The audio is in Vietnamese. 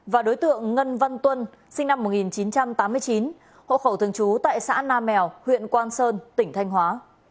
và đối tượng ngân văn tuân sinh năm một nghìn chín trăm tám mươi chín hộ khẩu thường trú tại xã nam mèo huyện quang sơn tỉnh thanh hóa